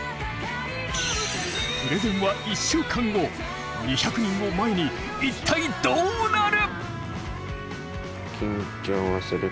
プレゼンは１週間後２００人を前に一体どうなる！？